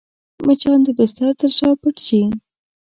مچان د بستر تر شا پټ شي